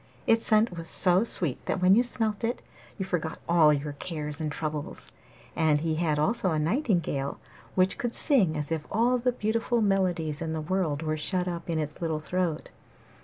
Its scent was so sweet that when you smelt it you forgot all your cares and troubles. And he had also a nightingale which could sing as if all the beautiful melodies in the world were shut up in its little throat.